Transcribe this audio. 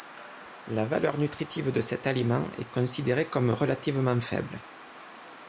La valeur nutritive de cet aliment est considérée comme relativement faible.